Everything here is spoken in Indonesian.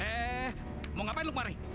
eh mau ngapain lu mari